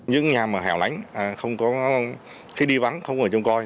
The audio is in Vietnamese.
những nhà mà hẻo lánh không có khi đi vắng không ở trông coi